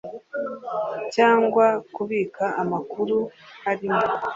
Cyangwa kubika amakuru harimo